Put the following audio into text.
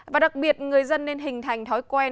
và đặc biệt người dân nên hình thành thói quen